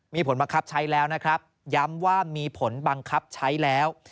มีผลบังคับใช้แล้วนะครับย้ำว่ามีผลบังคับใช้แล้ว